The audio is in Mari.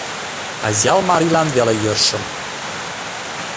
Азъял марийлан веле йӧршым.